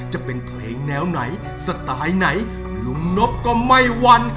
จะเป็นเพลงแนวไหนสไตล์ไหนลุงนบก็ไม่วัน